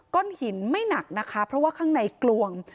หินไม่หนักนะคะเพราะว่าข้างในกลวง